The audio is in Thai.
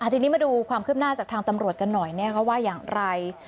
ทีนี้มาดูความคืบหน้าจากทางตำรวจกันหน่อยว่าอย่างไร